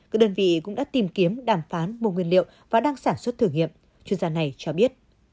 các đơn vị cũng đã tìm kiếm đàm phán mua nguyên liệu và đang sản xuất thử nghiệm chuyên gia này cho biết